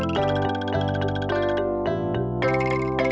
sama ada kita